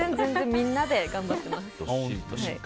みんなで頑張っています。